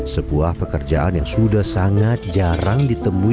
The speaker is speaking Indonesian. sebuah pekerjaan yang sudah sangat jarang ditemui